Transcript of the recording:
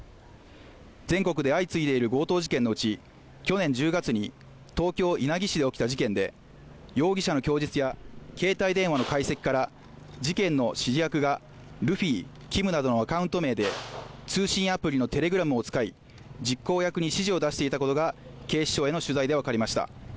全国で相次いでいる強盗事件のうち、去年１０月に東京・稲城市で起きた事件で容疑者の供述や携帯電話の解析から事件の指示役がルフィ、キムなどのアカウント名で通信アプリのＴｅｌｅｇｒａｍを使い、実行役に指示を出していたことが警視庁への取材で分かりました。